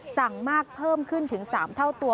สั่งมากเพิ่มขึ้นถึง๓เท่าตัว